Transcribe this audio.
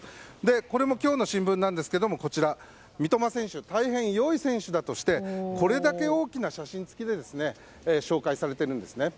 これも今日の新聞なんですが三笘選手が大変良い選手だとしてこれだけ大きな写真付きで紹介されているんですね。